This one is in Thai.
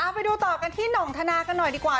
ไปดูต่อกันที่หน่องธนากันหน่อยดีกว่า